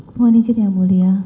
puan ijit yang mulia